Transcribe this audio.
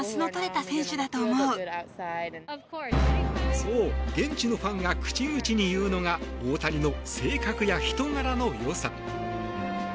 そう、現地のファンが口々に言うのが大谷の性格や人柄の良さ。